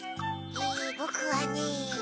えぼくはね。